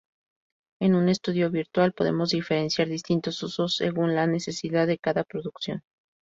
En un estudio virtual podemos diferenciar distintos usos según la necesidad de cada producción.